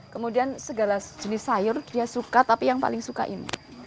kemudian segala jenis sayur dia suka tapi yang paling suka ini